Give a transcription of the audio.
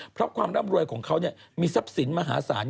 เพราะความร่ำรวยของเขามีทรัพย์สินมหาศาล